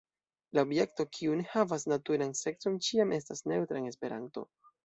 La objekto kiu ne havas naturan sekson ĉiam estas neŭtra en Esperanto.